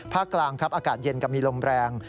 ภาคกลางอากาศเย็นกับมีลมแรง